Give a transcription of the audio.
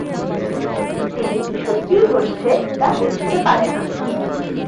তিনি কি সত্যিই ঘটছে তা বুঝতে পারে না।